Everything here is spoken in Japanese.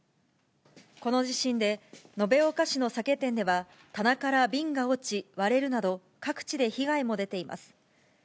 この地震で、延岡市の酒店では、棚から瓶が落ち、割れるなど、各地で被害も出ています。